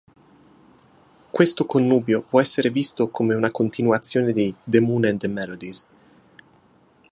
Questo connubio può essere visto come una continuazione di "The Moon and the Melodies".